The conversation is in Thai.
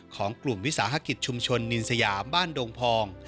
ของกลุ่มวิสาหกิจชุมชนนินสยามบ้านดงพอง